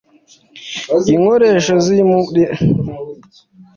inkoresho z'impuzamuriri nyarwanda nk'uko tubisanga mu nkoresho zo mu mahanga ziri ugutatu